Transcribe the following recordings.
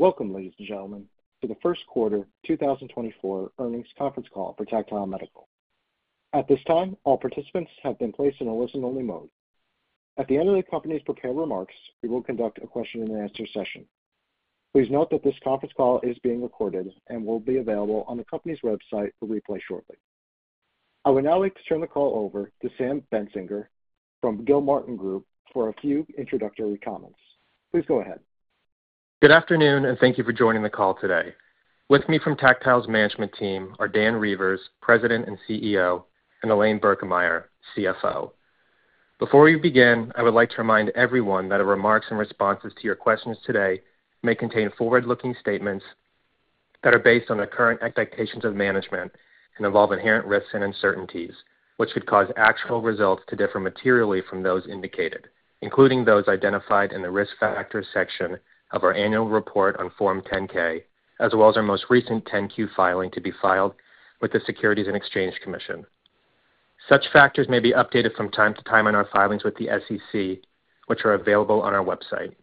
Welcome, ladies and gentlemen, to the first quarter 2024 earnings conference call for Tactile Medical. At this time, all participants have been placed in a listen-only mode. At the end of the company's prepared remarks, we will conduct a question-and-answer session. Please note that this conference call is being recorded and will be available on the company's website for replay shortly. I would now like to turn the call over to Sam Bensinger from Gilmartin Group for a few introductory comments. Please go ahead. Good afternoon, and thank you for joining the call today. With me from Tactile's management team are Dan Reuvers, President and Chief Executive Officer, and Elaine Birkemeyer, Chief Financial Officer. Before we begin, I would like to remind everyone that our remarks and responses to your questions today may contain forward-looking statements that are based on the current expectations of management and involve inherent risks and uncertainties, which could cause actual results to differ materially from those indicated, including those identified in the risk factors section of our annual report on Form 10-K, as well as our most recent 10-Q filing to be filed with the Securities and Exchange Commission. Such factors may be updated from time to time in our filings with the SEC, which are available on our website.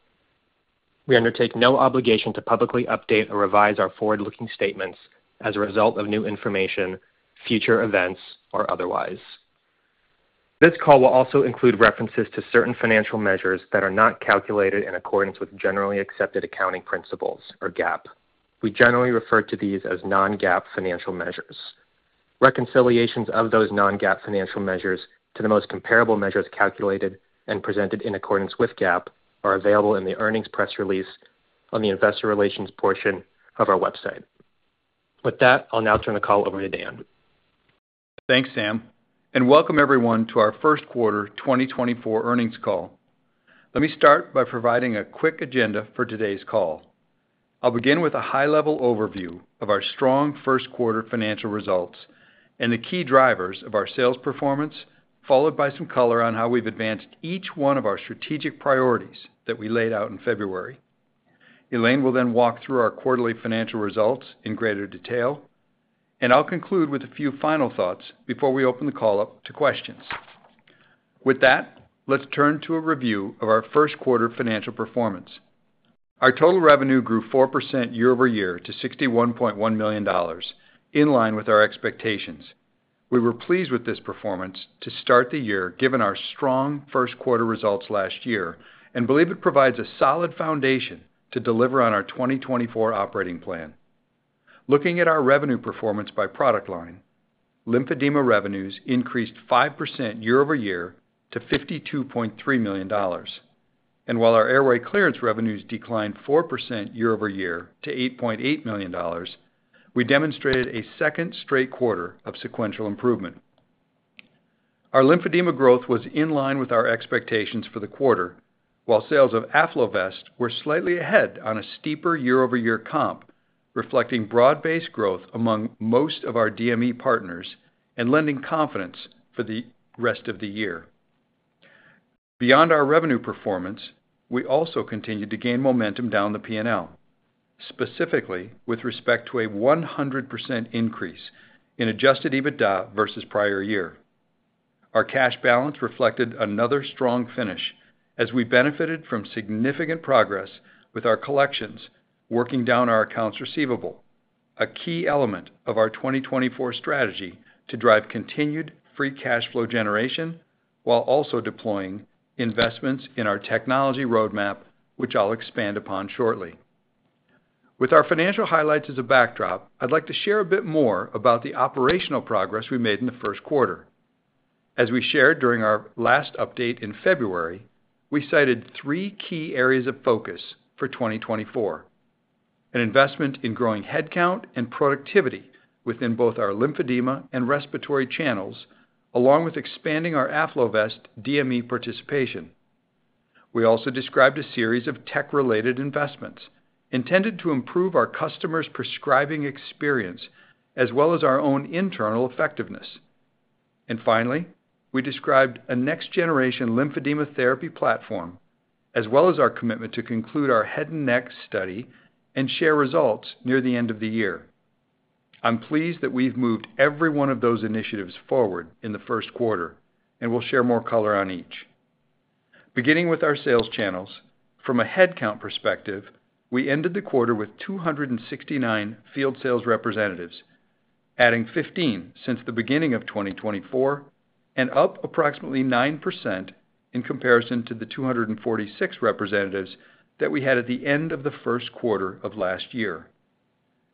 We undertake no obligation to publicly update or revise our forward-looking statements as a result of new information, future events, or otherwise. This call will also include references to certain financial measures that are not calculated in accordance with generally accepted accounting principles, or GAAP. We generally refer to these as Non-GAAP financial measures. Reconciliations of those Non-GAAP financial measures to the most comparable measures calculated and presented in accordance with GAAP are available in the earnings press release on the investor relations portion of our website. With that, I'll now turn the call over to Dan. Thanks, Sam, and welcome everyone to our first quarter 2024 earnings call. Let me start by providing a quick agenda for today's call. I'll begin with a high-level overview of our strong first quarter financial results and the key drivers of our sales performance, followed by some color on how we've advanced each one of our strategic priorities that we laid out in February. Elaine will then walk through our quarterly financial results in greater detail, and I'll conclude with a few final thoughts before we open the call up to questions. With that, let's turn to a review of our first quarter financial performance. Our total revenue grew 4% year-over-year to $61.1 million, in line with our expectations. We were pleased with this performance to start the year given our strong first quarter results last year and believe it provides a solid foundation to deliver on our 2024 operating plan. Looking at our revenue performance by product line, lymphedema revenues increased 5% year-over-year to $52.3 million, and while our airway clearance revenues declined 4% year-over-year to $8.8 million, we demonstrated a second straight quarter of sequential improvement. Our lymphedema growth was in line with our expectations for the quarter, while sales of AffloVest were slightly ahead on a steeper year-over-year comp, reflecting broad-based growth among most of our DME partners and lending confidence for the rest of the year. Beyond our revenue performance, we also continued to gain momentum down the P&L, specifically with respect to a 100% increase in adjusted EBITDA versus prior year. Our cash balance reflected another strong finish as we benefited from significant progress with our collections working down our accounts receivable, a key element of our 2024 strategy to drive continued free cash flow generation while also deploying investments in our technology roadmap, which I'll expand upon shortly. With our financial highlights as a backdrop, I'd like to share a bit more about the operational progress we made in the first quarter. As we shared during our last update in February, we cited three key areas of focus for 2024: an investment in growing headcount and productivity within both our lymphedema and respiratory channels, along with expanding our AffloVest DME participation. We also described a series of tech-related investments intended to improve our customers' prescribing experience as well as our own internal effectiveness. Finally, we described a next-generation lymphedema therapy platform, as well as our commitment to conclude our head and neck study and share results near the end of the year. I'm pleased that we've moved every one of those initiatives forward in the first quarter, and we'll share more color on each. Beginning with our sales channels, from a headcount perspective, we ended the quarter with 269 field sales representatives, adding 15 since the beginning of 2024 and up approximately 9% in comparison to the 246 representatives that we had at the end of the first quarter of last year.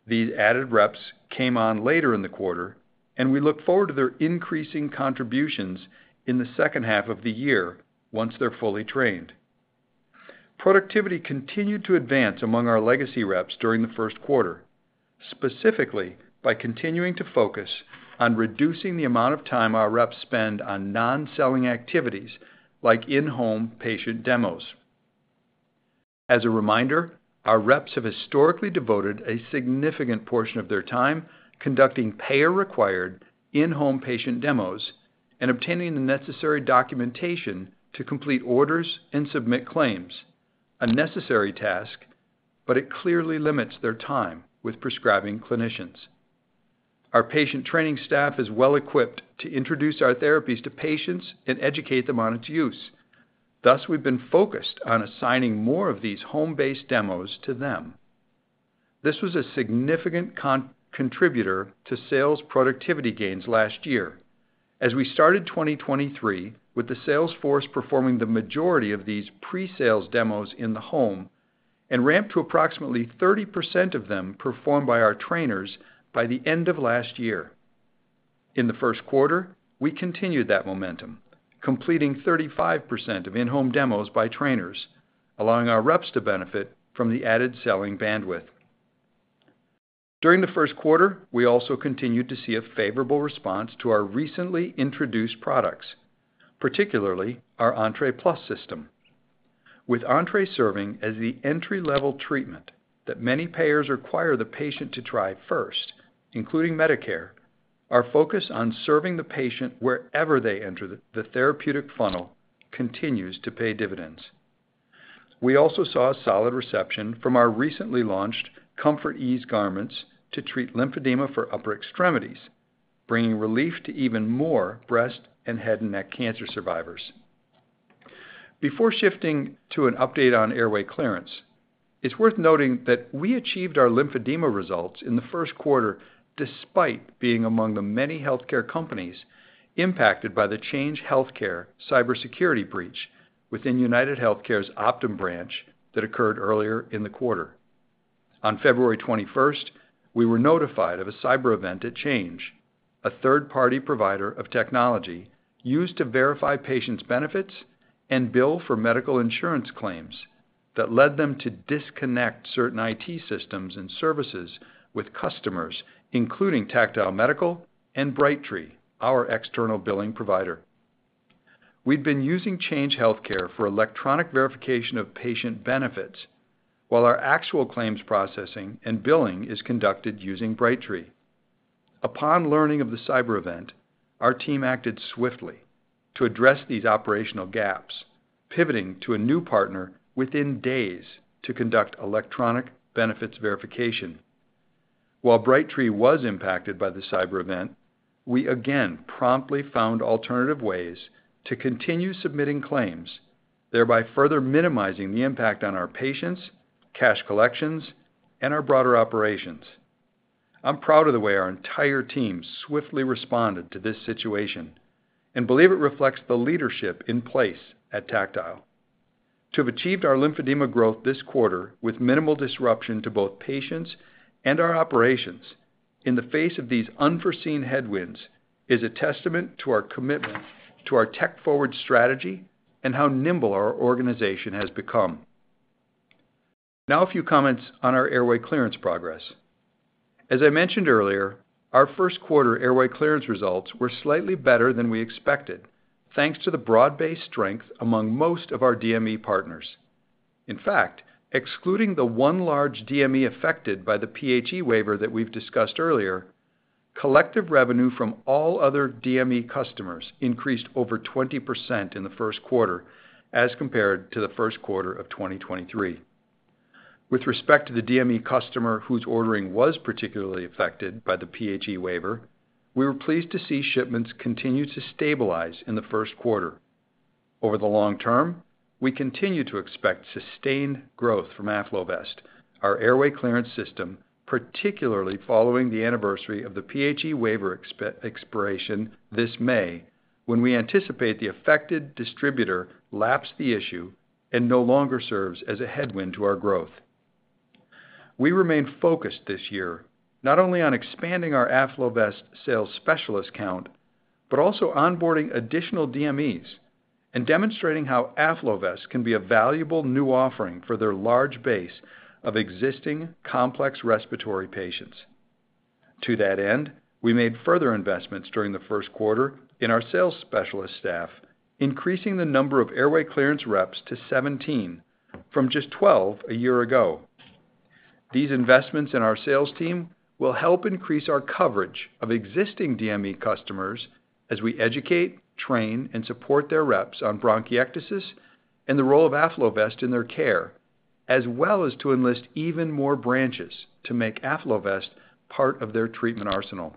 These added reps came on later in the quarter, and we look forward to their increasing contributions in the second half of the year once they're fully trained. Productivity continued to advance among our legacy reps during the first quarter, specifically by continuing to focus on reducing the amount of time our reps spend on non-selling activities like in-home patient demos. As a reminder, our reps have historically devoted a significant portion of their time conducting payer-required in-home patient demos and obtaining the necessary documentation to complete orders and submit claims, a necessary task, but it clearly limits their time with prescribing clinicians. Our patient training staff is well-equipped to introduce our therapies to patients and educate them on its use. Thus, we've been focused on assigning more of these home-based demos to them. This was a significant contributor to sales productivity gains last year, as we started 2023 with the sales force performing the majority of these pre-sales demos in the home and ramped to approximately 30% of them performed by our trainers by the end of last year. In the first quarter, we continued that momentum, completing 35% of in-home demos by trainers, allowing our reps to benefit from the added selling bandwidth. During the first quarter, we also continued to see a favorable response to our recently introduced products, particularly our Entre Plus system. With Entre serving as the entry-level treatment that many payers require the patient to try first, including Medicare, our focus on serving the patient wherever they enter the therapeutic funnel continues to pay dividends. We also saw a solid reception from our recently launched ComfortEase garments to treat lymphedema for upper extremities, bringing relief to even more breast and head-and-neck cancer survivors. Before shifting to an update on airway clearance, it's worth noting that we achieved our lymphedema results in the first quarter despite being among the many healthcare companies impacted by the Change Healthcare cybersecurity breach within UnitedHealthcare's Optum branch that occurred earlier in the quarter. On February 21st, we were notified of a cyber event at Change, a third-party provider of technology used to verify patients' benefits and bill for medical insurance claims that led them to disconnect certain IT systems and services with customers, including Tactile Medical and Brightree, our external billing provider. We'd been using Change Healthcare for electronic verification of patient benefits, while our actual claims processing and billing is conducted using Brightree. Upon learning of the cyber event, our team acted swiftly to address these operational gaps, pivoting to a new partner within days to conduct electronic benefits verification. While Brightree was impacted by the cyber event, we again promptly found alternative ways to continue submitting claims, thereby further minimizing the impact on our patients, cash collections, and our broader operations. I'm proud of the way our entire team swiftly responded to this situation and believe it reflects the leadership in place at Tactile. To have achieved our lymphedema growth this quarter with minimal disruption to both patients and our operations in the face of these unforeseen headwinds is a testament to our commitment to our tech-forward strategy and how nimble our organization has become. Now, a few comments on our airway clearance progress. As I mentioned earlier, our first quarter airway clearance results were slightly better than we expected, thanks to the broad-based strength among most of our DME partners. In fact, excluding the one large DME affected by the PHE waiver that we've discussed earlier, collective revenue from all other DME customers increased over 20% in the first quarter as compared to the first quarter of 2023. With respect to the DME customer whose ordering was particularly affected by the PHE waiver, we were pleased to see shipments continue to stabilize in the first quarter. Over the long term, we continue to expect sustained growth from AffloVest, our airway clearance system, particularly following the anniversary of the PHE waiver expiration this May, when we anticipate the affected distributor lapsed the issue and no longer serves as a headwind to our growth. We remain focused this year not only on expanding our AffloVest sales specialist count but also onboarding additional DMEs and demonstrating how AffloVest can be a valuable new offering for their large base of existing complex respiratory patients. To that end, we made further investments during the first quarter in our sales specialist staff, increasing the number of airway clearance reps to 17 from just 12 a year ago. These investments in our sales team will help increase our coverage of existing DME customers as we educate, train, and support their reps on bronchiectasis and the role of AffloVest in their care, as well as to enlist even more branches to make AffloVest part of their treatment arsenal.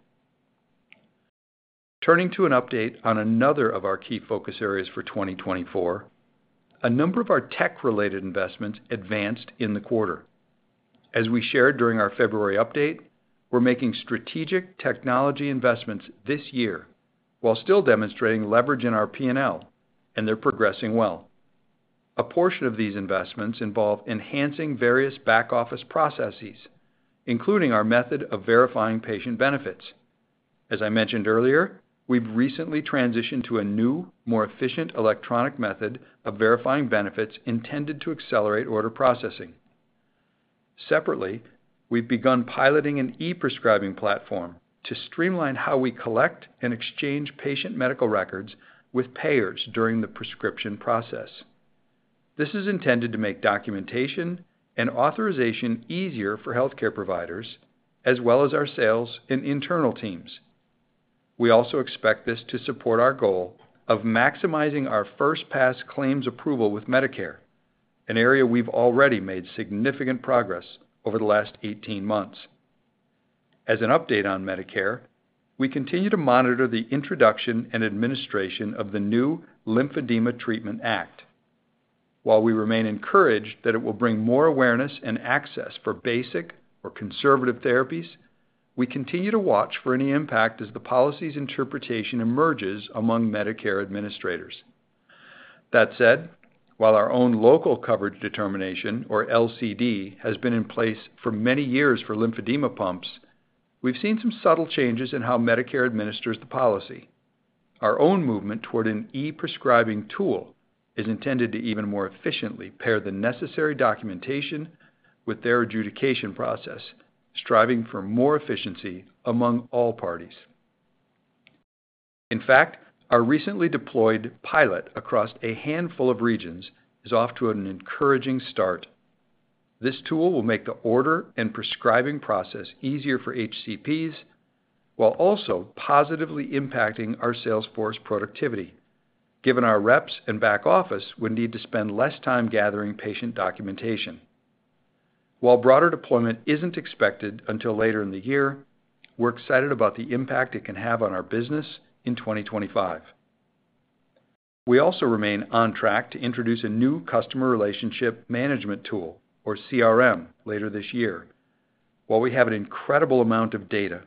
Turning to an update on another of our key focus areas for 2024, a number of our tech-related investments advanced in the quarter. As we shared during our February update, we're making strategic technology investments this year while still demonstrating leverage in our P&L, and they're progressing well. A portion of these investments involve enhancing various back-office processes, including our method of verifying patient benefits. As I mentioned earlier, we've recently transitioned to a new, more efficient electronic method of verifying benefits intended to accelerate order processing. Separately, we've begun piloting an e-prescribing platform to streamline how we collect and exchange patient medical records with payers during the prescription process. This is intended to make documentation and authorization easier for healthcare providers, as well as our sales and internal teams. We also expect this to support our goal of maximizing our first-pass claims approval with Medicare, an area we've already made significant progress over the last 18 months. As an update on Medicare, we continue to monitor the introduction and administration of the new lymphedema Treatment Act. While we remain encouraged that it will bring more awareness and access for basic or conservative therapies, we continue to watch for any impact as the policy's interpretation emerges among Medicare administrators. That said, while our own Local Coverage Determination, or LCD, has been in place for many years for lymphedema pumps, we've seen some subtle changes in how Medicare administers the policy. Our own movement toward an e-prescribing tool is intended to even more efficiently pair the necessary documentation with their adjudication process, striving for more efficiency among all parties. In fact, our recently deployed pilot across a handful of regions is off to an encouraging start. This tool will make the order and prescribing process easier for HCPs while also positively impacting our sales force productivity, given our reps and back-office would need to spend less time gathering patient documentation. While broader deployment isn't expected until later in the year, we're excited about the impact it can have on our business in 2025. We also remain on track to introduce a new customer relationship management tool, or CRM, later this year. While we have an incredible amount of data,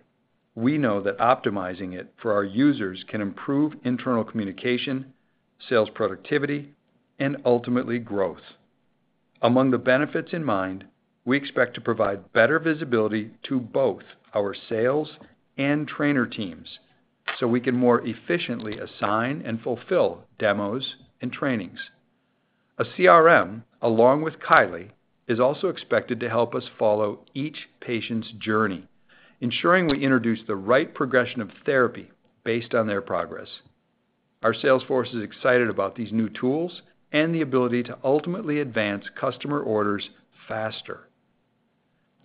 we know that optimizing it for our users can improve internal communication, sales productivity, and ultimately growth. Among the benefits in mind, we expect to provide better visibility to both our sales and trainer teams so we can more efficiently assign and fulfill demos and trainings. A CRM, along with Kylee, is also expected to help us follow each patient's journey, ensuring we introduce the right progression of therapy based on their progress. Our sales force is excited about these new tools and the ability to ultimately advance customer orders faster.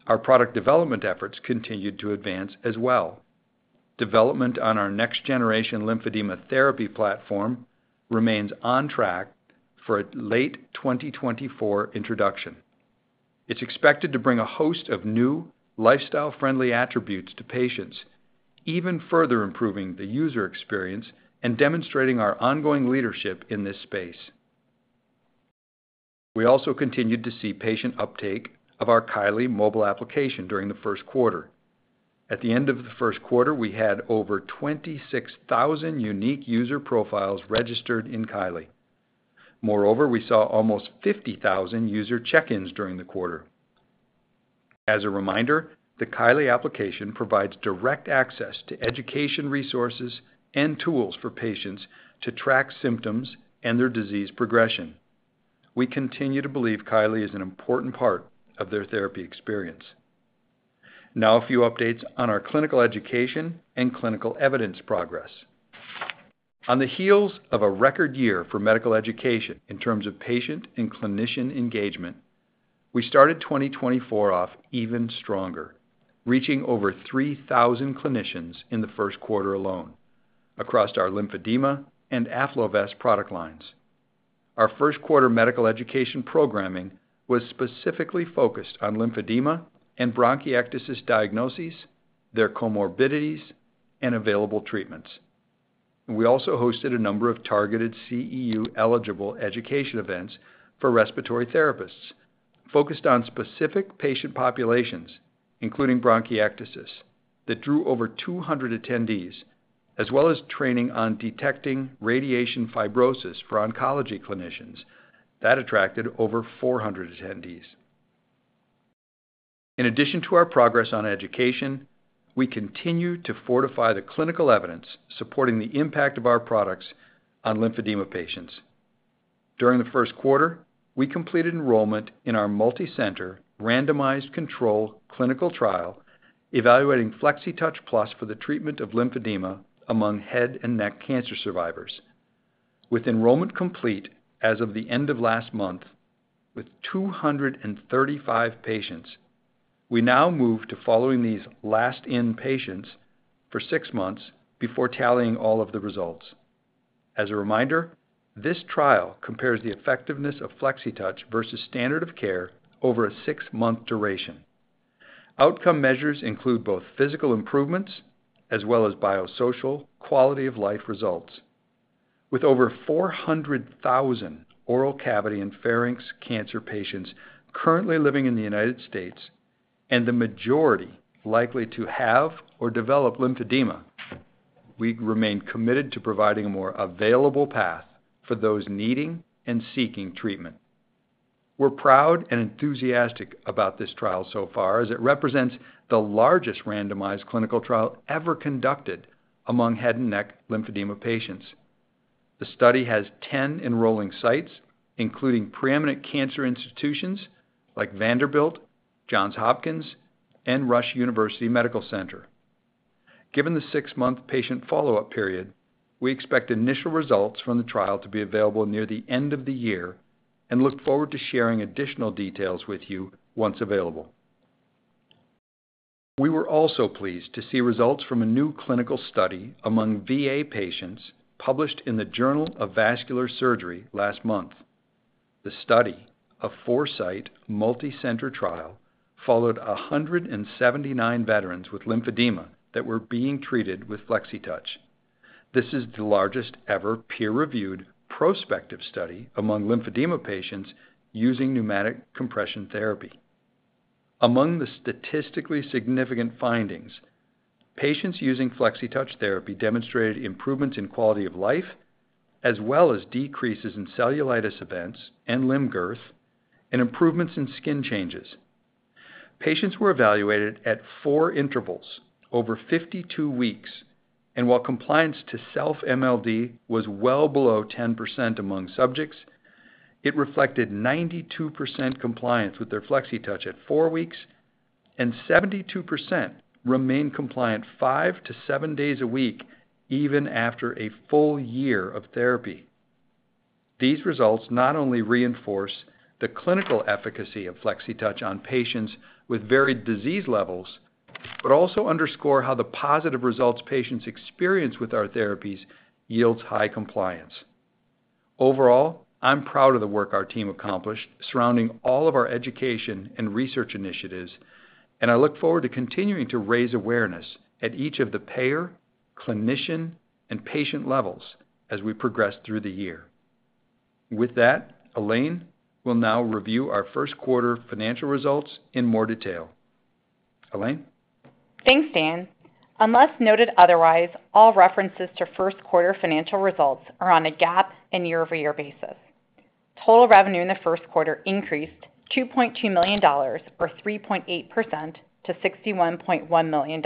Our product development efforts continue to advance as well. Development on our next-generation lymphedema therapy platform remains on track for a late 2024 introduction. It's expected to bring a host of new, lifestyle-friendly attributes to patients, even further improving the user experience and demonstrating our ongoing leadership in this space. We also continued to see patient uptake of our Kylee mobile application during the first quarter. At the end of the first quarter, we had over 26,000 unique user profiles registered in Kylee. Moreover, we saw almost 50,000 user check-ins during the quarter. As a reminder, the Kylee application provides direct access to education resources and tools for patients to track symptoms and their disease progression. We continue to believe Kylee is an important part of their therapy experience. Now, a few updates on our clinical education and clinical evidence progress. On the heels of a record year for medical education in terms of patient and clinician engagement, we started 2024 off even stronger, reaching over 3,000 clinicians in the first quarter alone across our lymphedema and AffloVest product lines. Our first-quarter medical education programming was specifically focused on lymphedema and bronchiectasis diagnoses, their comorbidities, and available treatments. We also hosted a number of targeted CEU-eligible education events for respiratory therapists focused on specific patient populations, including bronchiectasis, that drew over 200 attendees, as well as training on detecting radiation fibrosis for oncology clinicians that attracted over 400 attendees. In addition to our progress on education, we continue to fortify the clinical evidence supporting the impact of our products on lymphedema patients. During the first quarter, we completed enrollment in our multi-center randomized control clinical trial evaluating Flexitouch Plus for the treatment of lymphedema among head-and-neck cancer survivors. With enrollment complete as of the end of last month with 235 patients, we now move to following these last-in patients for six months before tallying all of the results. As a reminder, this trial compares the effectiveness of Flexitouch versus standard of care over a six-month duration. Outcome measures include both physical improvements as well as biosocial quality-of-life results. With over 400,000 oral cavity and pharynx cancer patients currently living in the United States and the majority likely to have or develop lymphedema, we remain committed to providing a more available path for those needing and seeking treatment. We're proud and enthusiastic about this trial so far as it represents the largest randomized clinical trial ever conducted among head and neck lymphedema patients. The study has 10 enrolling sites, including preeminent cancer institutions like Vanderbilt, Johns Hopkins, and Rush University Medical Center. Given the six-month patient follow-up period, we expect initial results from the trial to be available near the end of the year and look forward to sharing additional details with you once available. We were also pleased to see results from a new clinical study among VA patients published in the Journal of Vascular Surgery last month. The study, a four-site, multi-center trial, followed 179 veterans with lymphedema that were being treated with Flexitouch. This is the largest ever peer-reviewed prospective study among lymphedema patients using pneumatic compression therapy. Among the statistically significant findings, patients using Flexitouch therapy demonstrated improvements in quality of life as well as decreases in cellulitis events and limb girth and improvements in skin changes. Patients were evaluated at four intervals over 52 weeks, and while compliance to self-MLD was well below 10% among subjects, it reflected 92% compliance with their Flexitouch at four weeks, and 72% remained compliant five to seven days a week even after a full year of therapy. These results not only reinforce the clinical efficacy of Flexitouch on patients with varied disease levels but also underscore how the positive results patients experience with our therapies yields high compliance. Overall, I'm proud of the work our team accomplished surrounding all of our education and research initiatives, and I look forward to continuing to raise awareness at each of the payer, clinician, and patient levels as we progress through the year. With that, Elaine will now review our first-quarter financial results in more detail. Elaine? Thanks, Dan. Unless noted otherwise, all references to first-quarter financial results are on a GAAP and year-over-year basis. Total revenue in the first quarter increased $2.2 million, or 3.8%, to $61.1 million.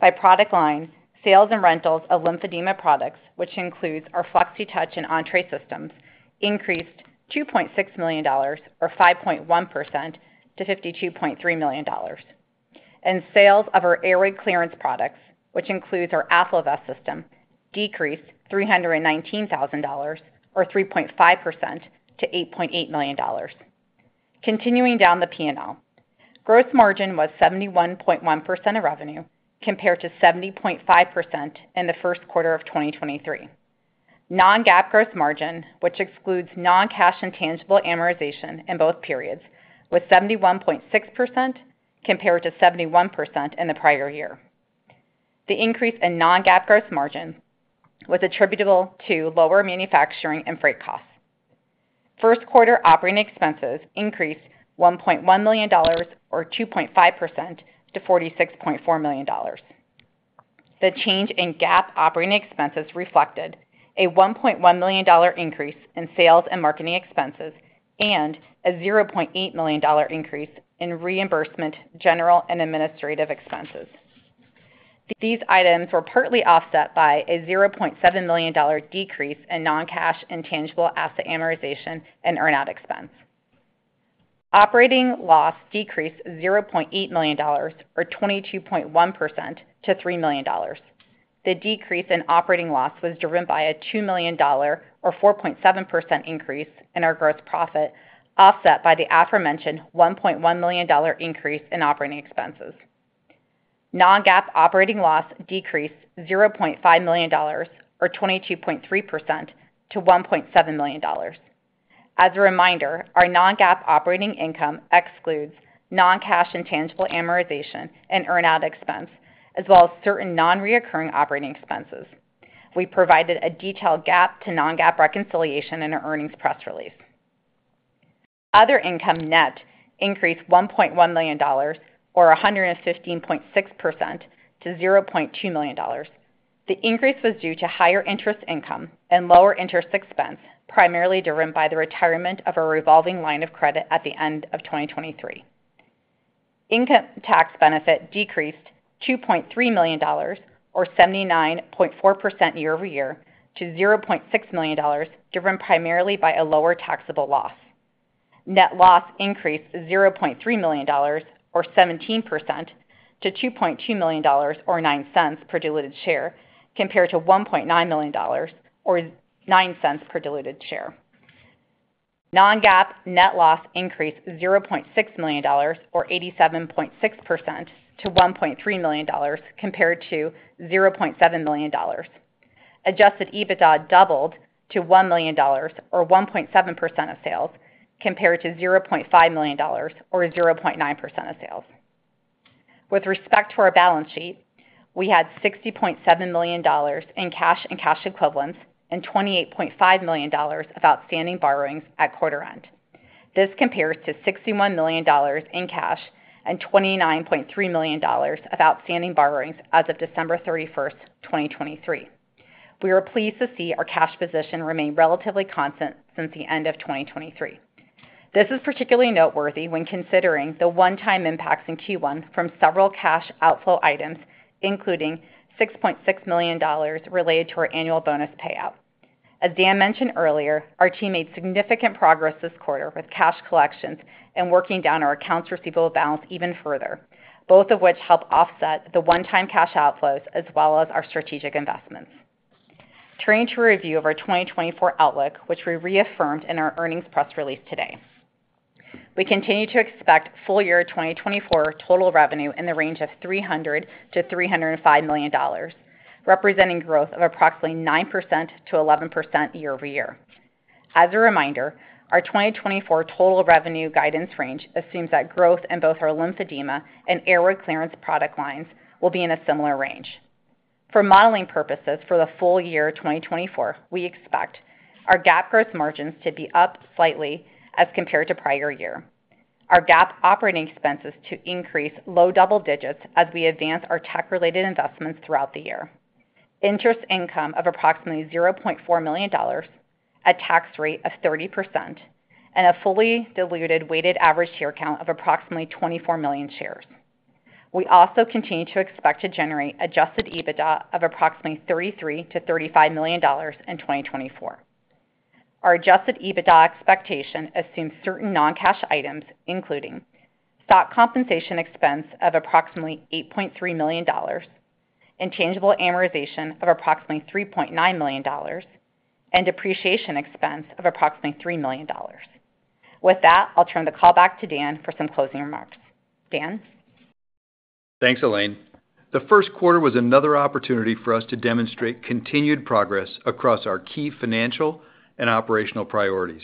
By product line, sales and rentals of lymphedema products, which includes our Flexitouch and Entre Systems, increased $2.6 million, or 5.1%, to $52.3 million. Sales of our airway clearance products, which includes our AffloVest system, decreased $319,000, or 3.5%, to $8.8 million. Continuing down the P&L, gross margin was 71.1% of revenue compared to 70.5% in the first quarter of 2023. Non-GAAP gross margin, which excludes non-cash and intangible amortization in both periods, was 71.6% compared to 71% in the prior year. The increase in Non-GAAP gross margin was attributable to lower manufacturing and freight costs. First-quarter operating expenses increased $1.1 million, or 2.5%, to $46.4 million. The change in GAAP operating expenses reflected a $1.1 million increase in sales and marketing expenses and a $0.8 million increase in reimbursement general and administrative expenses. These items were partly offset by a $0.7 million decrease in non-cash and tangible asset amortization and earnout expense. Operating loss decreased $0.8 million, or 22.1%, to $3 million. The decrease in operating loss was driven by a $2 million, or 4.7%, increase in our gross profit offset by the aforementioned $1.1 million increase in operating expenses. Non-GAAP operating loss decreased $0.5 million, or 22.3%, to $1.7 million. As a reminder, our Non-GAAP operating income excludes non-cash and tangible amortization and earnout expense as well as certain non-recurring operating expenses. We provided a detailed GAAP to Non-GAAP reconciliation in our earnings press release. Other income net increased $1.1 million, or 115.6%, to $0.2 million. The increase was due to higher interest income and lower interest expense primarily driven by the retirement of our revolving line of credit at the end of 2023. Income tax benefit decreased $2.3 million, or 79.4% year-over-year, to $0.6 million driven primarily by a lower taxable loss. Net loss increased $0.3 million, or 17%, to $2.2 million, or 9 cents per diluted share compared to $1.9 million, or 9 cents per diluted share. Non-GAAP net loss increased $0.6 million, or 87.6%, to $1.3 million compared to $0.7 million. Adjusted EBITDA doubled to $1 million, or 1.7% of sales compared to $0.5 million, or 0.9% of sales. With respect to our balance sheet, we had $60.7 million in cash and cash equivalents and $28.5 million of outstanding borrowings at quarter end. This compares to $61 million in cash and $29.3 million of outstanding borrowings as of December 31st, 2023. We are pleased to see our cash position remain relatively constant since the end of 2023. This is particularly noteworthy when considering the one-time impacts in Q1 from several cash outflow items, including $6.6 million related to our annual bonus payout. As Dan mentioned earlier, our team made significant progress this quarter with cash collections and working down our accounts receivable balance even further, both of which help offset the one-time cash outflows as well as our strategic investments. Turning to a review of our 2024 outlook, which we reaffirmed in our earnings press release today, we continue to expect full-year 2024 total revenue in the range of $300-$305 million, representing growth of approximately 9%-11% year-over-year. As a reminder, our 2024 total revenue guidance range assumes that growth in both our lymphedema and airway clearance product lines will be in a similar range. For modeling purposes for the full year 2024, we expect our GAAP gross margins to be up slightly as compared to prior year, our GAAP operating expenses to increase low double digits as we advance our tech-related investments throughout the year, interest income of approximately $0.4 million, a tax rate of 30%, and a fully diluted weighted average share count of approximately 24 million shares. We also continue to expect to generate adjusted EBITDA of approximately $33-$35 million in 2024. Our adjusted EBITDA expectation assumes certain non-cash items, including stock compensation expense of approximately $8.3 million, intangible amortization of approximately $3.9 million, and depreciation expense of approximately $3 million. With that, I'll turn the call back to Dan for some closing remarks. Dan? Thanks, Elaine. The first quarter was another opportunity for us to demonstrate continued progress across our key financial and operational priorities.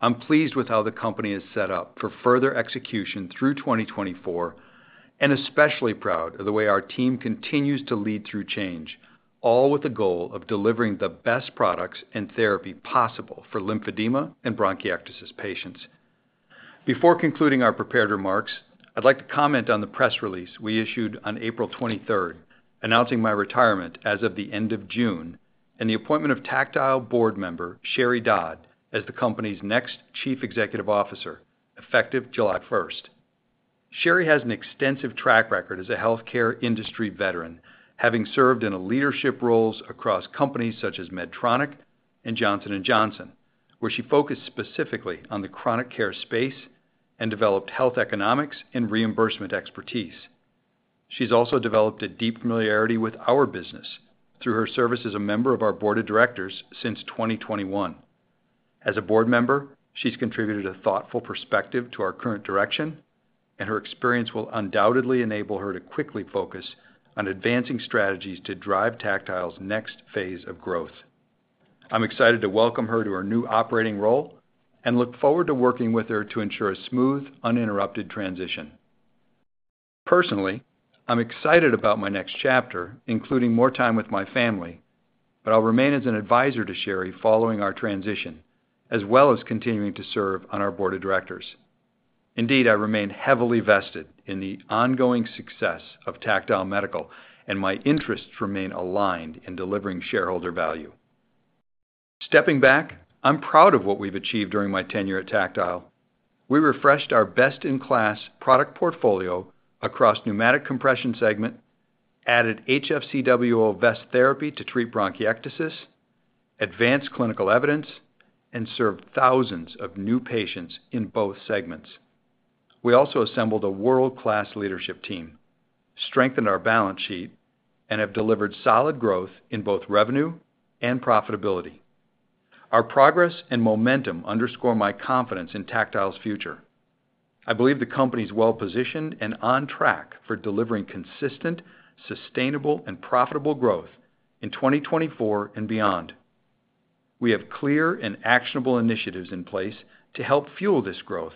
I'm pleased with how the company is set up for further execution through 2024 and especially proud of the way our team continues to lead through change, all with the goal of delivering the best products and therapy possible for lymphedema and bronchiectasis patients. Before concluding our prepared remarks, I'd like to comment on the press release we issued on April 23rd announcing my retirement as of the end of June and the appointment of Tactile Board member Sheri Dodd as the company's next Chief Executive Officer, effective July 1st. Sheri has an extensive track record as a healthcare industry veteran, having served in leadership roles across companies such as Medtronic and Johnson & Johnson, where she focused specifically on the chronic care space and developed health economics and reimbursement expertise. She's also developed a deep familiarity with our business through her service as a member of our board of directors since 2021. As a board member, she's contributed a thoughtful perspective to our current direction, and her experience will undoubtedly enable her to quickly focus on advancing strategies to drive Tactile's next phase of growth. I'm excited to welcome her to our new operating role and look forward to working with her to ensure a smooth, uninterrupted transition. Personally, I'm excited about my next chapter, including more time with my family, but I'll remain as an advisor to Sheri following our transition as well as continuing to serve on our board of directors. Indeed, I remain heavily vested in the ongoing success of Tactile Medical, and my interests remain aligned in delivering shareholder value. Stepping back, I'm proud of what we've achieved during my tenure at Tactile. We refreshed our best-in-class product portfolio across pneumatic compression segment, added HFCWO vest therapy to treat bronchiectasis, advanced clinical evidence, and served thousands of new patients in both segments. We also assembled a world-class leadership team, strengthened our balance sheet, and have delivered solid growth in both revenue and profitability. Our progress and momentum underscore my confidence in Tactile's future. I believe the company's well-positioned and on track for delivering consistent, sustainable, and profitable growth in 2024 and beyond. We have clear and actionable initiatives in place to help fuel this growth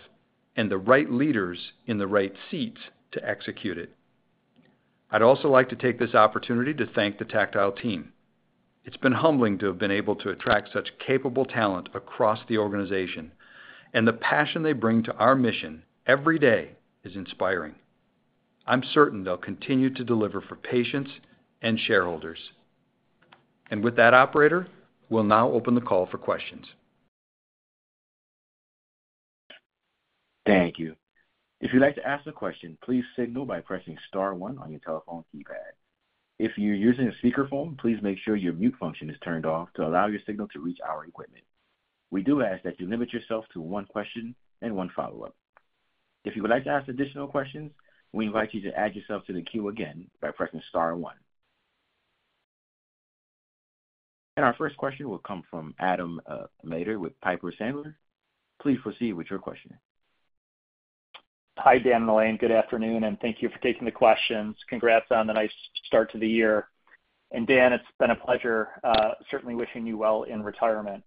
and the right leaders in the right seats to execute it. I'd also like to take this opportunity to thank the Tactile team. It's been humbling to have been able to attract such capable talent across the organization, and the passion they bring to our mission every day is inspiring. I'm certain they'll continue to deliver for patients and shareholders. With that, operator, we'll now open the call for questions. Thank you. If you'd like to ask a question, please signal by pressing star one on your telephone keypad. If you're using a speakerphone, please make sure your mute function is turned off to allow your signal to reach our equipment. We do ask that you limit yourself to one question and one follow-up. If you would like to ask additional questions, we invite you to add yourself to the queue again by pressing star one. Our first question will come from Adam Maeder with Piper Sandler. Please proceed with your question. Hi, Dan and Elaine. Good afternoon, and thank you for taking the questions. Congrats on the nice start to the year. And Dan, it's been a pleasure, certainly wishing you well in retirement.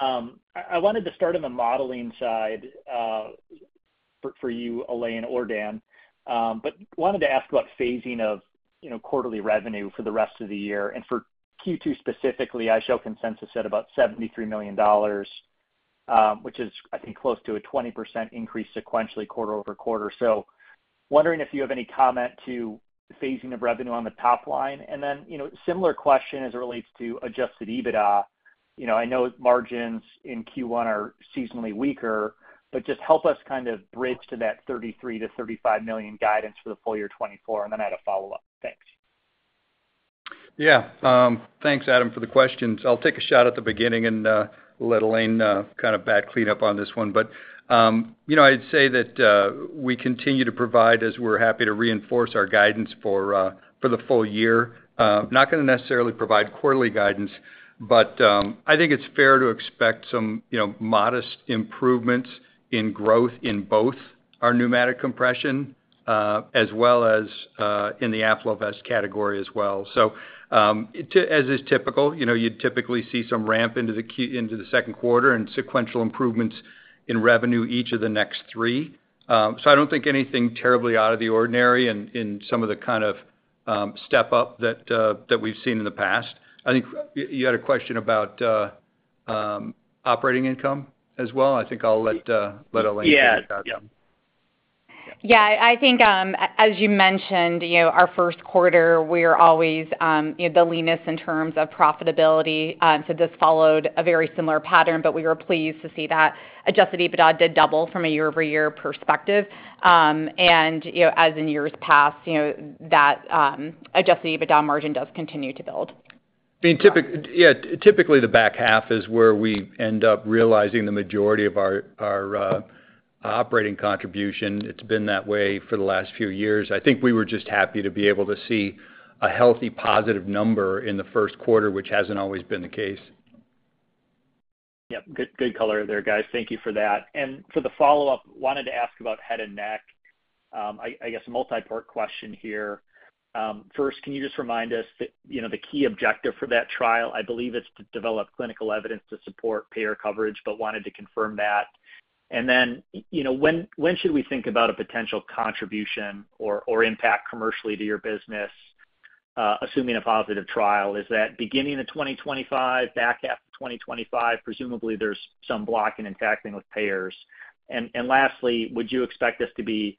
I wanted to start on the modeling side for you, Elaine, or Dan, but wanted to ask about phasing of quarterly revenue for the rest of the year. And for Q2 specifically, I show consensus at about $73 million, which is, I think, close to a 20% increase sequentially quarter-over-quarter. So wondering if you have any comment to phasing of revenue on the top line. And then similar question as it relates to Adjusted EBITDA. I know margins in Q1 are seasonally weaker, but just help us kind of bridge to that $33 million-$35 million guidance for the full year 2024, and then I'd have follow-up. Thanks. Yeah. Thanks, Adam, for the questions. I'll take a shot at the beginning and let Elaine kind of bat cleanup on this one. But I'd say that we continue to provide, as we're happy to reinforce our guidance for the full year. Not going to necessarily provide quarterly guidance, but I think it's fair to expect some modest improvements in growth in both our pneumatic compression as well as in the AffloVest category as well. So as is typical, you'd typically see some ramp into the second quarter and sequential improvements in revenue each of the next three. So I don't think anything terribly out of the ordinary in some of the kind of step-up that we've seen in the past. I think you had a question about operating income as well. I think I'll let Elaine take a shot then. Yeah. Yeah. I think as you mentioned, our first quarter, we are always the leanest in terms of profitability. So this followed a very similar pattern, but we were pleased to see that Adjusted EBITDA did double from a year-over-year perspective. And as in years past, that Adjusted EBITDA margin does continue to build. I mean, yeah, typically the back half is where we end up realizing the majority of our operating contribution. It's been that way for the last few years. I think we were just happy to be able to see a healthy, positive number in the first quarter, which hasn't always been the case. Yep. Good color there, guys. Thank you for that. And for the follow-up, wanted to ask about head and neck. I guess a multi-part question here. First, can you just remind us the key objective for that trial? I believe it's to develop clinical evidence to support payer coverage, but wanted to confirm that. And then when should we think about a potential contribution or impact commercially to your business, assuming a positive trial? Is that beginning of 2025, back half of 2025? Presumably, there's some blocking and tackling with payers. And lastly, would you expect this to be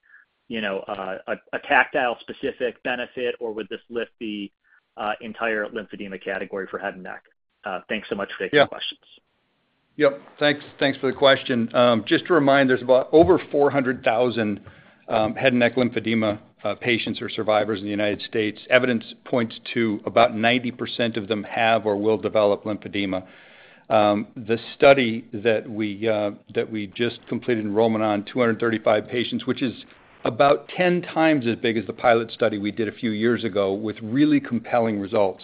a Tactile-specific benefit, or would this lift the entire lymphedema category for head and neck? Thanks so much for taking the questions. Yep. Yep. Thanks for the question. Just to remind, there's about over 400,000 head and neck lymphedema patients or survivors in the United States. Evidence points to about 90% of them have or will develop lymphedema. The study that we just completed enrollment on, 235 patients, which is about 10 times as big as the pilot study we did a few years ago with really compelling results.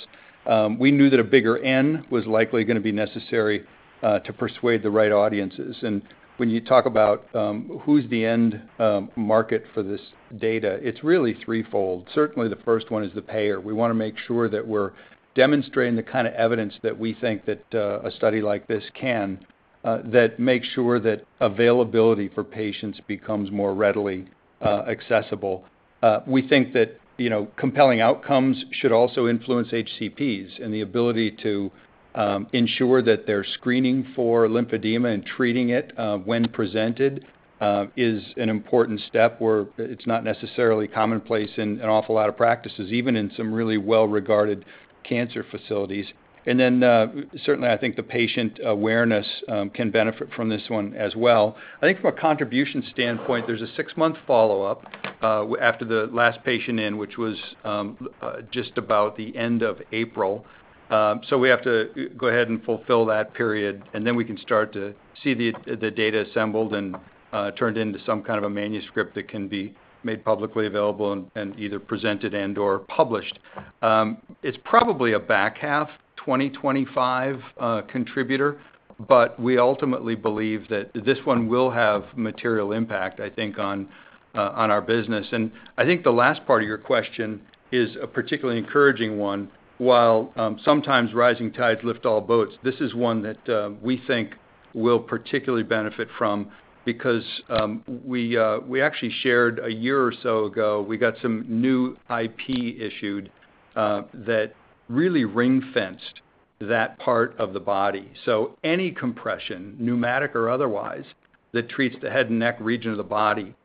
We knew that a bigger N was likely going to be necessary to persuade the right audiences. And when you talk about who's the end market for this data, it's really threefold. Certainly, the first one is the payer. We want to make sure that we're demonstrating the kind of evidence that we think that a study like this can, that makes sure that availability for patients becomes more readily accessible. We think that compelling outcomes should also influence HCPs and the ability to ensure that their screening for lymphedema and treating it when presented is an important step where it's not necessarily commonplace in an awful lot of practices, even in some really well-regarded cancer facilities. And then certainly, I think the patient awareness can benefit from this one as well. I think from a contribution standpoint, there's a six-month follow-up after the last patient in, which was just about the end of April. So we have to go ahead and fulfill that period, and then we can start to see the data assembled and turned into some kind of a manuscript that can be made publicly available and either presented and/or published. It's probably a back half 2025 contributor, but we ultimately believe that this one will have material impact, I think, on our business. I think the last part of your question is a particularly encouraging one. While sometimes rising tides lift all boats, this is one that we think will particularly benefit from because we actually shared a year or so ago, we got some new IP issued that really ring-fenced that part of the body. So any compression, pneumatic or otherwise, that treats the head and neck region of the body,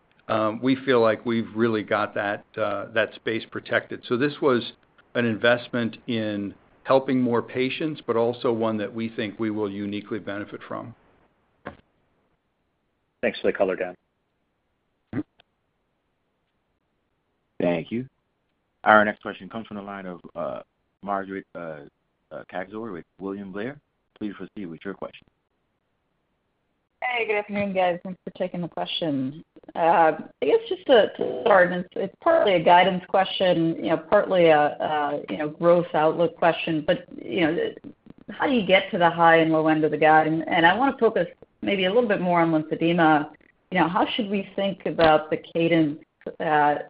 we feel like we've really got that space protected. So this was an investment in helping more patients, but also one that we think we will uniquely benefit from. Thanks for the color, Dan. Thank you. Our next question comes from the line of Margaret Kaczor with William Blair. Please proceed with your question. Hey. Good afternoon, guys. Thanks for taking the question. I guess just to start, it's partly a guidance question, partly a growth outlook question. But how do you get to the high and low end of the guide? And I want to focus maybe a little bit more on lymphedema. How should we think about the cadence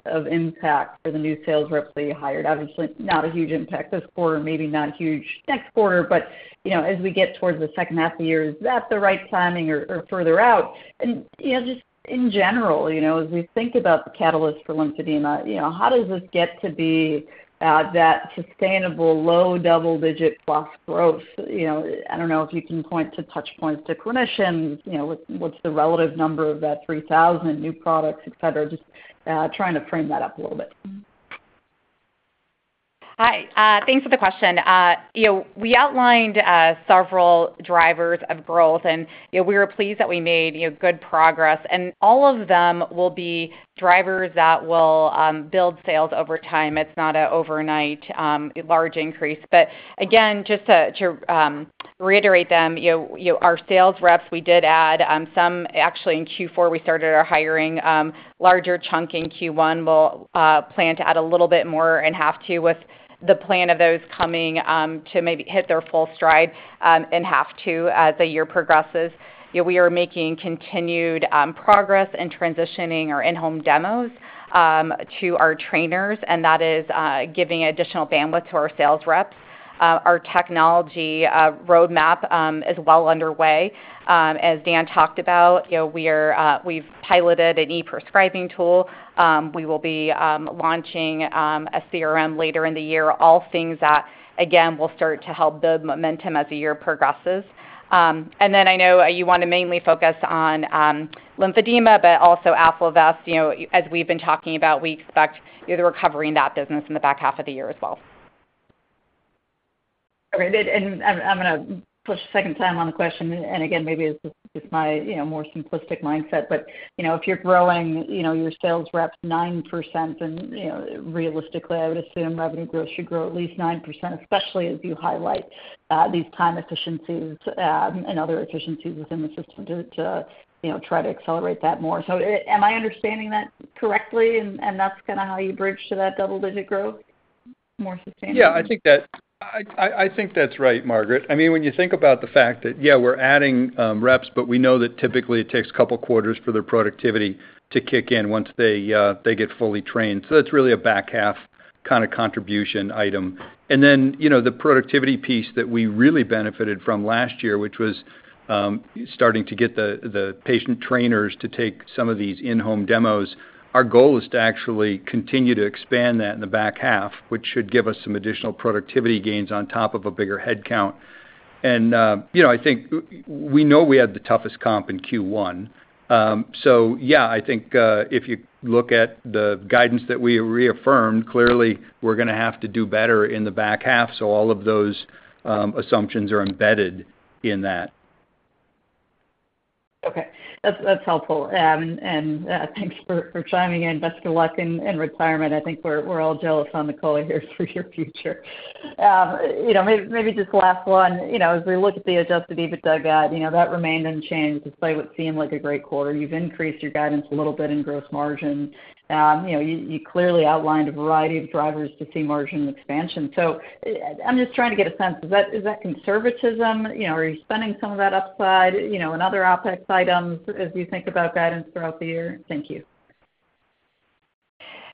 of impact for the new sales reps that you hired? Obviously, not a huge impact this quarter, maybe not huge next quarter. But as we get towards the second half of the year, is that the right timing or further out? And just in general, as we think about the catalyst for lymphedema, how does this get to be that sustainable low double-digit plus growth? I don't know if you can point to touchpoints to clinicians. What's the relative number of that 3,000 new products, etc.? Just trying to frame that up a little bit. Hi. Thanks for the question. We outlined several drivers of growth, and we were pleased that we made good progress. All of them will be drivers that will build sales over time. It's not an overnight large increase. But again, just to reiterate them, our sales reps, we did add some actually in Q4, we started our hiring. Larger chunk in Q1, we'll plan to add a little bit more in half two with the plan of those coming to maybe hit their full stride in half two as the year progresses. We are making continued progress in transitioning our in-home demos to our trainers, and that is giving additional bandwidth to our sales reps. Our technology roadmap is well underway. As Dan talked about, we've piloted an e-prescribing tool. We will be launching a CRM later in the year, all things that, again, will start to help build momentum as the year progresses. And then I know you want to mainly focus on lymphedema, but also AffloVest. As we've been talking about, we expect either recovering that business in the back half of the year as well. Okay. I'm going to push a second time on the question. Again, maybe it's just my more simplistic mindset. But if you're growing your sales reps 9%, then realistically, I would assume revenue growth should grow at least 9%, especially as you highlight these time efficiencies and other efficiencies within the system to try to accelerate that more. So am I understanding that correctly? That's kind of how you bridge to that double-digit growth? More sustainable? Yeah. I think that's right, Margaret. I mean, when you think about the fact that, yeah, we're adding reps, but we know that typically it takes a couple of quarters for their productivity to kick in once they get fully trained. So that's really a back half kind of contribution item. And then the productivity piece that we really benefited from last year, which was starting to get the patient trainers to take some of these in-home demos, our goal is to actually continue to expand that in the back half, which should give us some additional productivity gains on top of a bigger headcount. And I think we know we had the toughest comp in Q1. So yeah, I think if you look at the guidance that we reaffirmed, clearly, we're going to have to do better in the back half. So all of those assumptions are embedded in that. Okay. That's helpful. Thanks for chiming in. Best of luck in retirement. I think we're all jealous on the call here for your future. Maybe just last one. As we look at the Adjusted EBITDA guide, that remained unchanged despite what seemed like a great quarter. You've increased your guidance a little bit in gross margin. You clearly outlined a variety of drivers to see margin expansion. I'm just trying to get a sense. Is that conservatism? Are you spending some of that upside in other OpEx items as you think about guidance throughout the year? Thank you.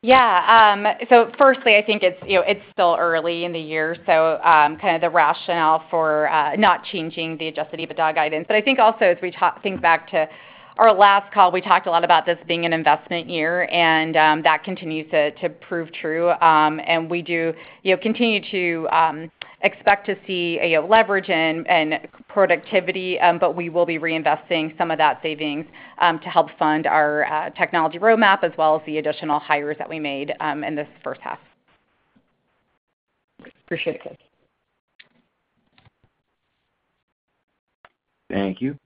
Yeah. So firstly, I think it's still early in the year. So kind of the rationale for not changing the Adjusted EBITDA guidance. But I think also, as we think back to our last call, we talked a lot about this being an investment year, and that continues to prove true. And we do continue to expect to see leverage and productivity, but we will be reinvesting some of that savings to help fund our technology roadmap as well as the additional hires that we made in this first half. Appreciate it, guys. Thank you.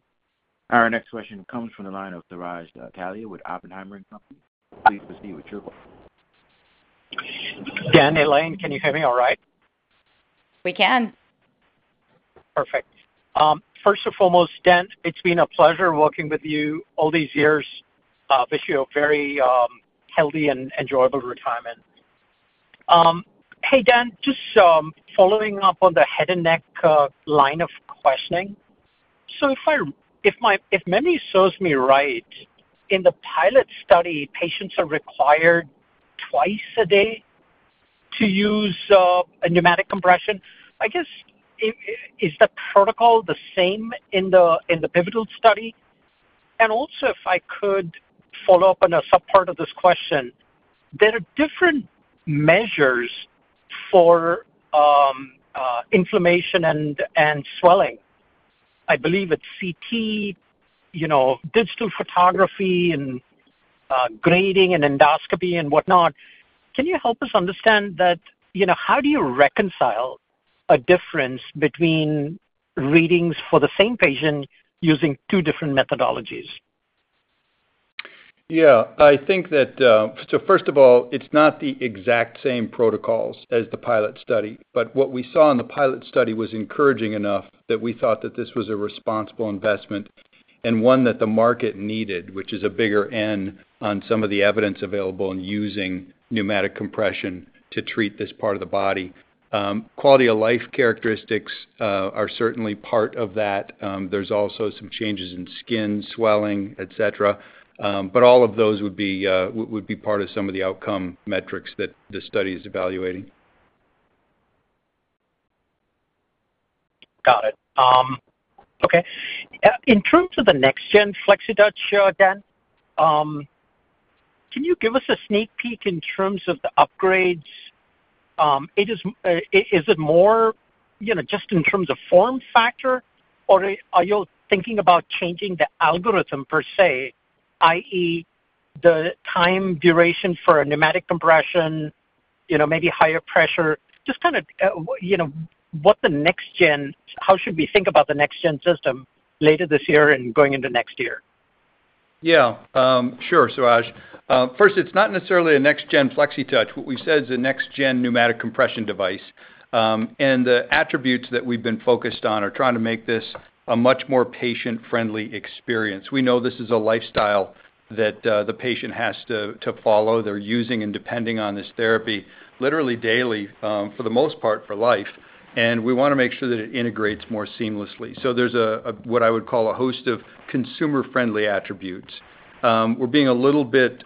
Our next question comes from the line of Suraj Kalia with Oppenheimer & Co. Please proceed with your call. Dan, Elaine, can you hear me all right? We can. Perfect. First and foremost, Dan, it's been a pleasure working with you all these years. Wish you a very healthy and enjoyable retirement. Hey, Dan, just following up on the head and neck line of questioning. If memory serves me right, in the pilot study, patients are required twice a day to use pneumatic compression. I guess, is the protocol the same in the pivotal study? And also, if I could follow up on a subpart of this question, there are different measures for inflammation and swelling. I believe it's CT, digital photography, and grading, and endoscopy, and whatnot. Can you help us understand that? How do you reconcile a difference between readings for the same patient using two different methodologies? Yeah. So first of all, it's not the exact same protocols as the pilot study. But what we saw in the pilot study was encouraging enough that we thought that this was a responsible investment and one that the market needed, which is a bigger N on some of the evidence available in using pneumatic compression to treat this part of the body. Quality of life characteristics are certainly part of that. There's also some changes in skin, swelling, etc. But all of those would be part of some of the outcome metrics that the study is evaluating. Got it. Okay. In terms of the next-gen Flexitouch, Dan, can you give us a sneak peek in terms of the upgrades? Is it more just in terms of form factor, or are you thinking about changing the algorithm per se, i.e., the time duration for pneumatic compression, maybe higher pressure? Just kind of what the next-gen how should we think about the next-gen system later this year and going into next year? Yeah. Sure, Suraj. First, it's not necessarily a next-gen Flexitouch. What we've said is a next-gen pneumatic compression device. And the attributes that we've been focused on are trying to make this a much more patient-friendly experience. We know this is a lifestyle that the patient has to follow. They're using and depending on this therapy literally daily, for the most part, for life. And we want to make sure that it integrates more seamlessly. So there's what I would call a host of consumer-friendly attributes. We're being a little bit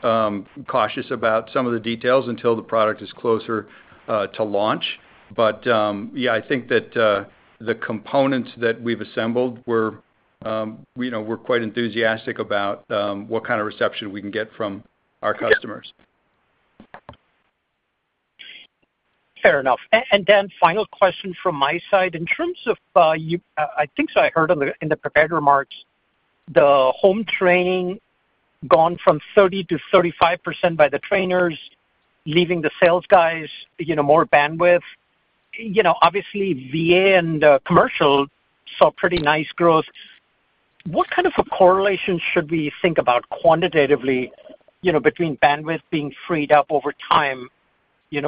cautious about some of the details until the product is closer to launch. But yeah, I think that the components that we've assembled, we're quite enthusiastic about what kind of reception we can get from our customers. Fair enough. And Dan, final question from my side. In terms of, I think I heard in the prepared remarks, the home training gone from 30%-35% by the trainers, leaving the sales guys more bandwidth. Obviously, VA and commercial saw pretty nice growth. What kind of a correlation should we think about quantitatively between bandwidth being freed up over time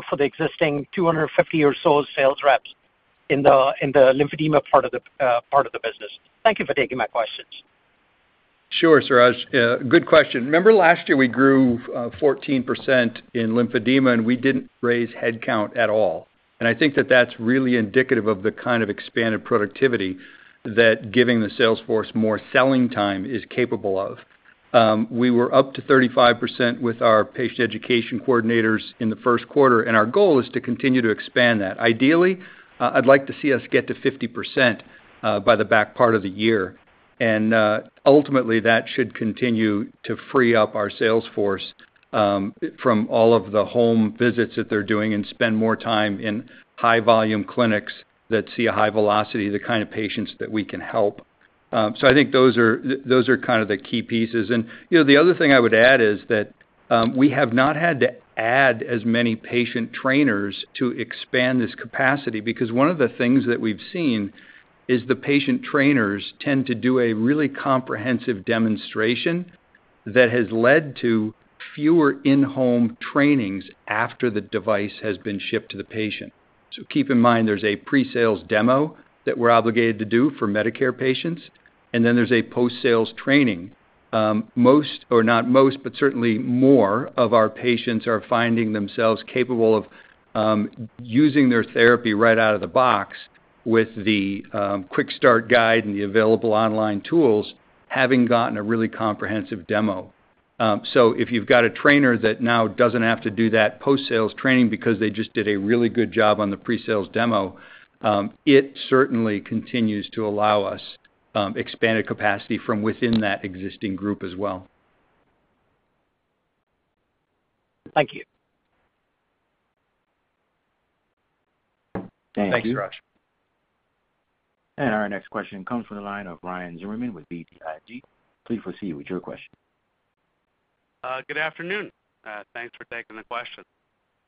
for the existing 250 or so sales reps in the lymphedema part of the business? Thank you for taking my questions. Sure, Suraj. Good question. Remember last year, we grew 14% in lymphedema, and we didn't raise headcount at all. I think that that's really indicative of the kind of expanded productivity that giving the sales force more selling time is capable of. We were up to 35% with our patient education coordinators in the first quarter, and our goal is to continue to expand that. Ideally, I'd like to see us get to 50% by the back part of the year. Ultimately, that should continue to free up our sales force from all of the home visits that they're doing and spend more time in high-volume clinics that see a high velocity, the kind of patients that we can help. I think those are kind of the key pieces. The other thing I would add is that we have not had to add as many patient trainers to expand this capacity because one of the things that we've seen is the patient trainers tend to do a really comprehensive demonstration that has led to fewer in-home trainings after the device has been shipped to the patient. So keep in mind, there's a pre-sales demo that we're obligated to do for Medicare patients, and then there's a post-sales training. Not most, but certainly more of our patients are finding themselves capable of using their therapy right out of the box with the quick start guide and the available online tools, having gotten a really comprehensive demo. So if you've got a trainer that now doesn't have to do that post-sales training because they just did a really good job on the pre-sales demo, it certainly continues to allow us expanded capacity from within that existing group as well. Thank you. Thanks, Suraj. Our next question comes from the line of Ryan Zimmerman with BTIG. Please proceed with your question. Good afternoon. Thanks for taking the question.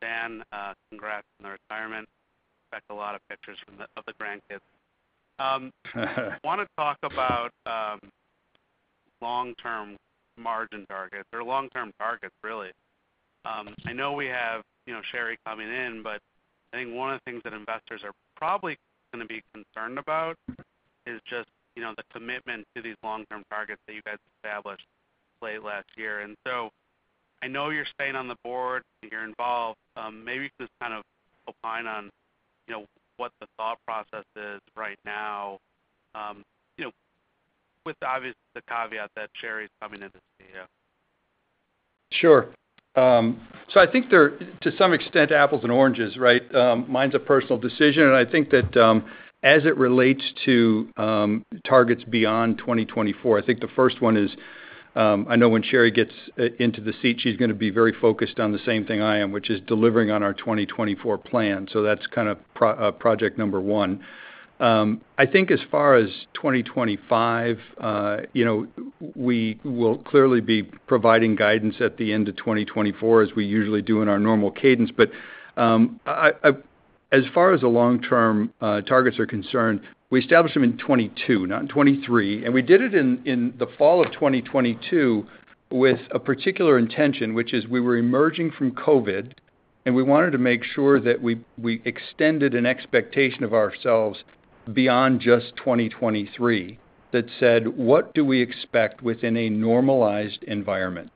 Dan, congrats on the retirement. Expect a lot of pictures of the grandkids. I want to talk about long-term margin targets or long-term targets, really. I know we have Sheri coming in, but I think one of the things that investors are probably going to be concerned about is just the commitment to these long-term targets that you guys established late last year. And so I know you're staying on the board. You're involved. Maybe you can just kind of opine on what the thought process is right now, obviously, with the caveat that Sheri's coming into the studio. Sure. So I think they're, to some extent, apples and oranges, right? Mine's a personal decision. And I think that as it relates to targets beyond 2024, I think the first one is I know when Sheri gets into the seat, she's going to be very focused on the same thing I am, which is delivering on our 2024 plan. So that's kind of project number one. I think as far as 2025, we will clearly be providing guidance at the end of 2024 as we usually do in our normal cadence. But as far as the long-term targets are concerned, we established them in 2022, not in 2023. We did it in the fall of 2022 with a particular intention, which is we were emerging from COVID, and we wanted to make sure that we extended an expectation of ourselves beyond just 2023 that said, "What do we expect within a normalized environment?"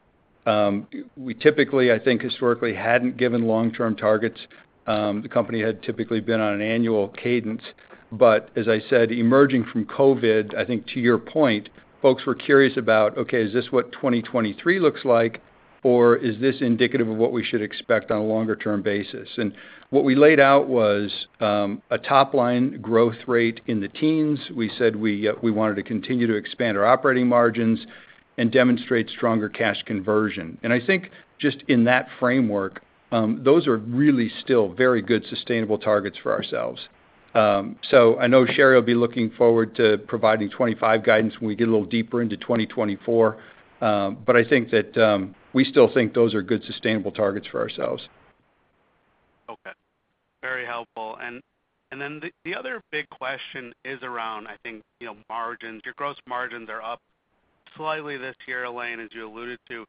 We typically, I think, historically hadn't given long-term targets. The company had typically been on an annual cadence. But as I said, emerging from COVID, I think to your point, folks were curious about, "Okay, is this what 2023 looks like, or is this indicative of what we should expect on a longer-term basis?" What we laid out was a top-line growth rate in the teens. We said we wanted to continue to expand our operating margins and demonstrate stronger cash conversion. I think just in that framework, those are really still very good sustainable targets for ourselves. I know Sheri will be looking forward to providing 2025 guidance when we get a little deeper into 2024. But I think that we still think those are good sustainable targets for ourselves. Okay. Very helpful. And then the other big question is around, I think, margins. Your gross margins are up slightly this year, Elaine, as you alluded to.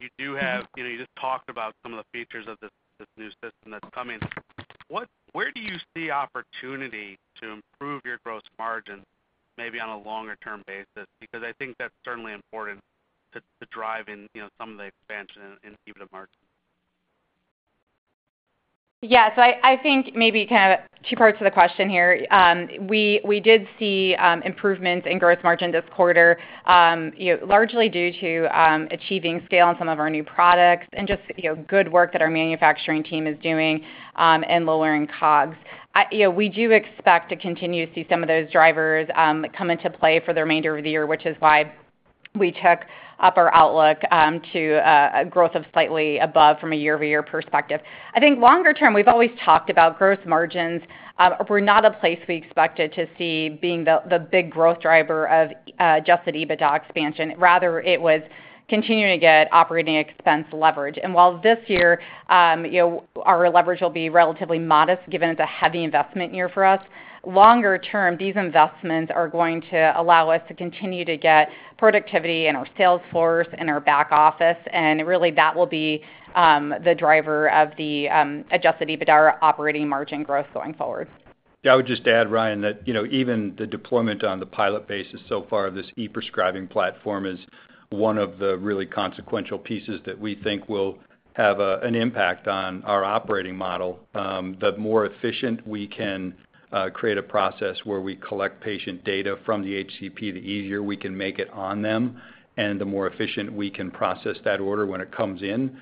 You just talked about some of the features of this new system that's coming. Where do you see opportunity to improve your gross margins, maybe on a longer-term basis? Because I think that's certainly important to drive in some of the expansion in EBITDA margins. Yeah. So I think maybe kind of two parts to the question here. We did see improvements in gross margin this quarter, largely due to achieving scale in some of our new products and just good work that our manufacturing team is doing in lowering COGS. We do expect to continue to see some of those drivers come into play for the remainder of the year, which is why we took up our outlook to a growth of slightly above from a year-over-year perspective. I think longer-term, we've always talked about gross margins. We're not a place we expected to see being the big growth driver of just an EBITDA expansion. Rather, it was continuing to get operating expense leverage. While this year, our leverage will be relatively modest given it's a heavy investment year for us, longer-term, these investments are going to allow us to continue to get productivity in our sales force and our back office. Really, that will be the driver of the Adjusted EBITDA or operating margin growth going forward. Yeah. I would just add, Ryan, that even the deployment on the pilot basis so far of this e-prescribing platform is one of the really consequential pieces that we think will have an impact on our operating model. The more efficient we can create a process where we collect patient data from the HCP, the easier we can make it on them, and the more efficient we can process that order when it comes in,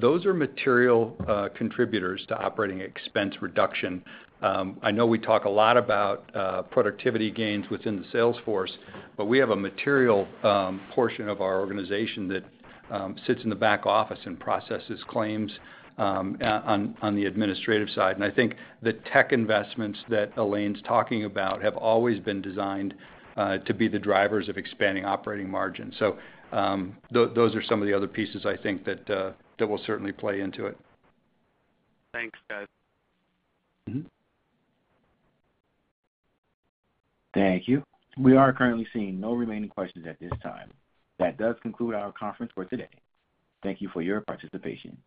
those are material contributors to operating expense reduction. I know we talk a lot about productivity gains within the sales force, but we have a material portion of our organization that sits in the back office and processes claims on the administrative side. I think the tech investments that Elaine's talking about have always been designed to be the drivers of expanding operating margins. Those are some of the other pieces, I think, that will certainly play into it. Thanks, guys. Thank you. We are currently seeing no remaining questions at this time. That does conclude our conference for today. Thank you for your participation.